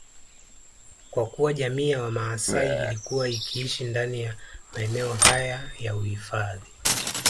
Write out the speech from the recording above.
Kwa kuwa jamii ya wamaasai ilikuwa ikiishi ndani ya maeneo haya ya uhifadhi